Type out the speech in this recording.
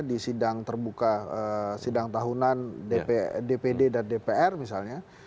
di sidang terbuka sidang tahunan dpd dan dpr misalnya